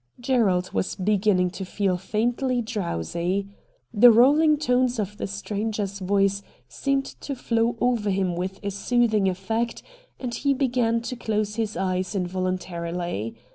Gerald was beginning to feel faintly drowsy. A STRANGE STORY 65 The rolling tones of the stranger's voice seemed to flow over him with a soothing effect and he began to close his eyes involuntarily.